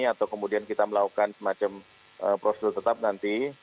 atau kemudian kita melakukan semacam prosedur tetap nanti